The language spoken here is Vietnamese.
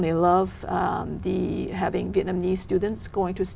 nhưng tôi nghĩ là những quan hệ cộng đồng